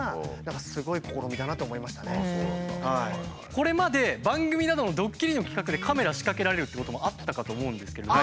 これまで番組などのどっきりの企画でカメラ仕掛けられるっていうこともあったかと思うんですけれども。